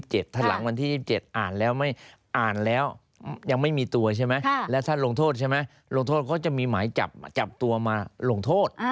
หลวงโทษก็จะมีหมายจับตัวมาหลวงโทษ